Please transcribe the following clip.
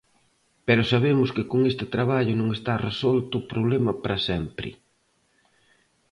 Pero sabemos que con este traballo non está resolto o problema para sempre.